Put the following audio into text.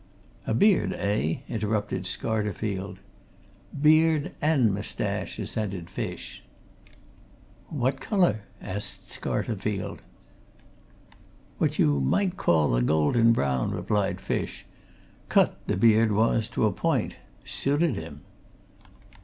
"A beard, eh " interrupted Scarterfield. "Beard and moustache," assented Fish. "What colour?" asked Scarterfield. "What you might call a golden brown," replied Fish. "Cut the beard was to a point. Suited him."